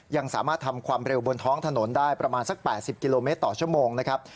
ยังสามารถทำความเร็วบนท้องถนนได้ประมาณสัก๘๐กิโลเมตรต่อชั่วโมงนะครับ